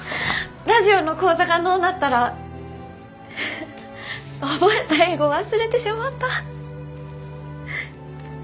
ラジオの講座がのうなったら覚えた英語忘れてしもうた。